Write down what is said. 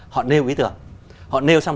họ nêu ý tưởng họ nêu xong